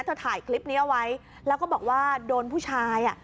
ถ่ายคลิปนี้เอาไว้แล้วก็บอกว่าโดนผู้ชายอ่ะ